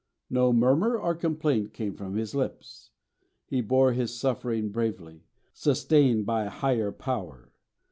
No murmur or complaint came from his lips; he bore his suffering bravely, sustained by a Higher Power.